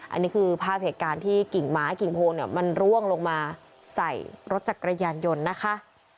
อันนี้คือภาพเหตุการณ์ที่กิ่งไม้กิ่งโพงเนี่ยมันร่วงลงมาใส่รถจักรยานยนต์นะคะ